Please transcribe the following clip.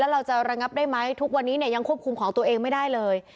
เราจะระงับได้ไหมทุกวันนี้ยังควบคุมของตัวเองไม่ได้เลย